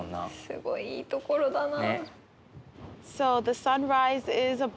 すごいいいところだな。